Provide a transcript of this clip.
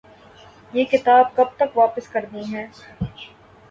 یہ کتاب کب تک واپس کرنی ہے؟